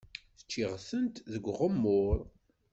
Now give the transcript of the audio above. Ččiɣ-tent deg uɣemmur.